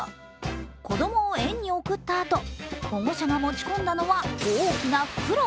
子供を園に送ったあと、保護者が持ち込んだのは大きな袋。